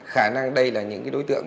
khả năng đây là những cái đối tượng